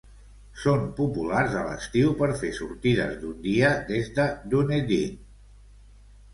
Són populars a l'estiu per fer sortides d'un dia des de Dunedin.